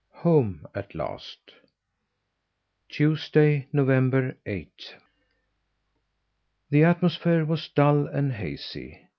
HOME AT LAST Tuesday, November eighth. The atmosphere was dull and hazy.